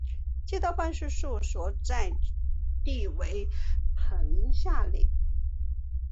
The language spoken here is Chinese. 街道办事处所在地为棚下岭。